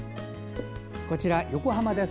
こちらは横浜です。